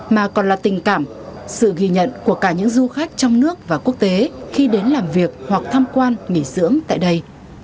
mà còn là tình cảm sự ghi nhận của cả những du khách trong nước và quốc tế khi đến làm việc hoặc tham quan nghỉ dưỡng tại đây